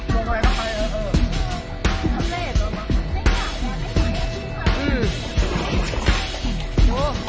มารยาทสุดยอดมาก